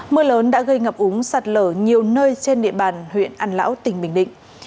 mưa lớn đã gây ngập úng sạt lở nhiều nơi trên địa bàn huyện an lão tỉnh bình định